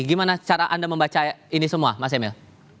gimana cara anda membaca ini semua mas emil